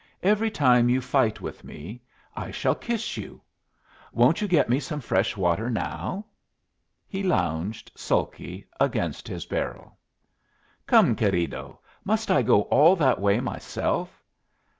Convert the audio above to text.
Every time you fight with me I shall kiss you. Won't you get me some fresh water now?" He lounged, sulky, against his barrel. "Come, querido! Must I go all that way myself?